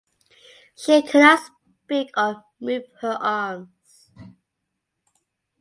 She cannot speak or move her arms.